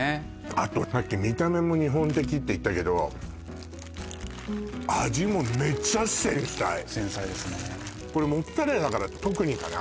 あとさっき見た目も日本的って言ったけど繊細ですねーこれモッツァレラだから特にかな？